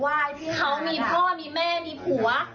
ว่าพี่นั่งมีพ่อมีแม่มีผัว